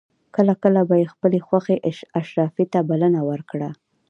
کله کله به یې خپلې خوښې اشرافي ته بلنه ورکړه.